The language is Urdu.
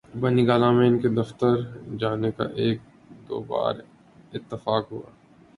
بنی گالہ میں ان کے دفتر جانے کا ایک دو بار اتفاق ہوا۔